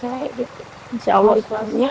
masih dicari emang